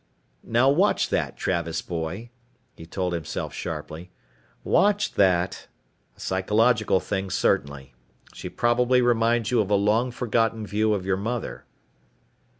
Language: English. Now watch that, Travis boy, he told himself sharply, watch that. A psychological thing, certainly. She probably reminds you of a long forgotten view of your mother.